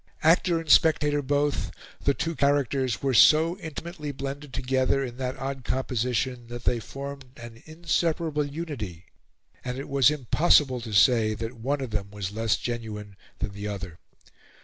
Actor and spectator both, the two characters were so intimately blended together in that odd composition that they formed an inseparable unity, and it was impossible to say that one of them was less genuine than the other.